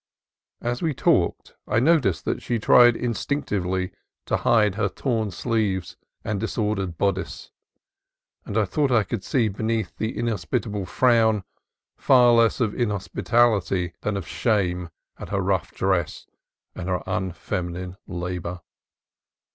As we talked I noticed that she tried instinctively to hide her torn sleeves and disor dered bodice, and I thought I could see beneath the inhospitable frown far less of inhospitality than of shame at her rough dress and her unfeminine labor.